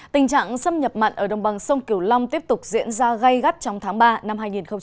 tình trạng xâm nhập mặn ở đồng bằng sông kiều long tiếp tục diễn ra gây gắt trong tháng ba năm hai nghìn hai mươi